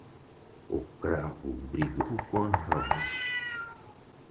O cravo brigou com a rosa.